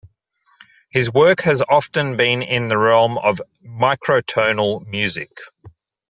His work has often been in the realm of microtonal music.